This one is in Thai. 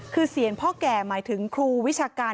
คือเสียงพ่อแก่หมายถึงครูวิชาการ